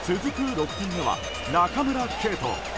６点目は中村敬斗。